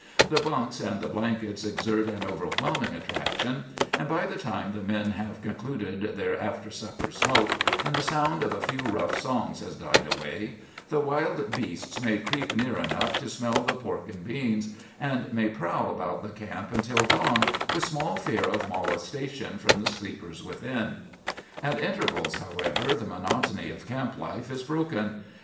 The bunks and the blankets exert an overwhelming attraction; and by the time the men have concluded their after supper smoke, and the sound of a few rough songs has died away, the wild beasts may creep near enough to smell the pork and beans, and may prowl about the camp until dawn, with small fear of molestation from the sleepers within. "At intervals, however, the monotony of camp life is broken.